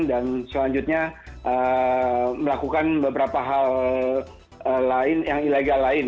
dan selanjutnya melakukan beberapa hal lain yang ilegal lain